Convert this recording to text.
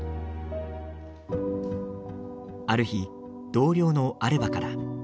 ある日、同僚のアルバから。